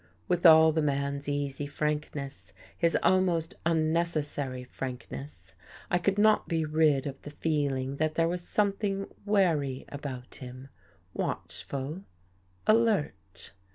With all the man's easy frankness, his almost un necessary frankness, I could not be rid of the feeling that there was something wary about him — watch ful — alert.